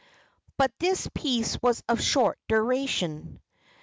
But this peace was of short duration.